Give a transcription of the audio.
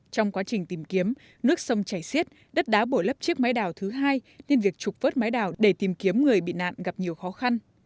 trong quá trình tìm kiếm nước sông chảy xiết đất đá bồi lấp chiếc máy đào thứ hai nên việc trục vớt mái đào để tìm kiếm người bị nạn gặp nhiều khó khăn